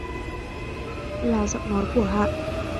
Là giọng nói của Hạ